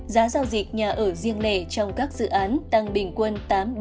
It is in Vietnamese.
giá giao dịch nhà ở riêng lẻ trong các dự án tăng bình quân tám ba mươi